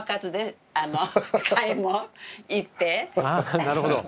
あなるほど。